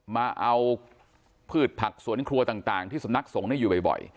มาเอาพืชผักสวนครัวต่างที่สำนักสงฆ์อยู่บ่อย